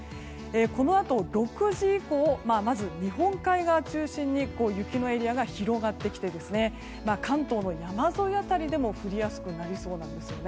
このあと６時以降日本海側中心に雪のエリアが広がってきて関東の山沿い辺りでも降りやすくなりそうなんですね。